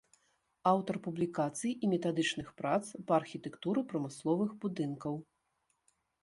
Аўтар публікацый і метадычных прац па архітэктуры прамысловых будынкаў.